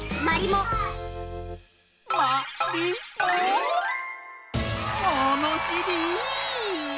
ものしり！